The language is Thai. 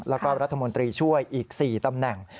แล้วก็รัฐมนตรีช่วยอีก๔ตำแหน่ง